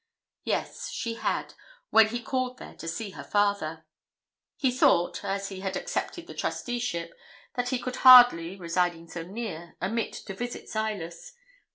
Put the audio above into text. Yes, she had, when he called there to see her father. 'He thought, as he had accepted the trusteeship, that he could hardly, residing so near, omit to visit Silas.